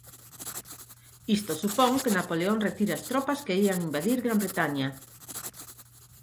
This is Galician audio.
Isto supón que Napoleón retire as tropas que ían invadir Gran Bretaña.